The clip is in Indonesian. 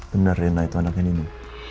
bener rena itu anaknya ini